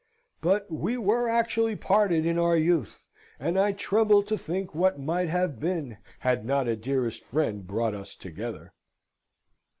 But we were actually parted in our youth; and I tremble to think what might have been, had not a dearest friend brought us together.